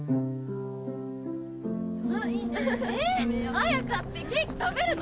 彩花ってケーキ食べるの？